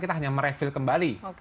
kita hanya merefill kembali